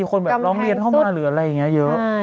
คนแบบร้องเรียนเข้ามาหรืออะไรอย่างนี้เยอะ